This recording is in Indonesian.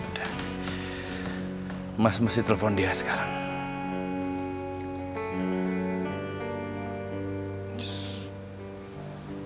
udah mas mesti telepon dia sekarang